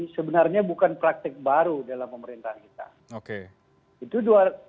sebenarnya bukan praktik baru dalam pemerintahan kita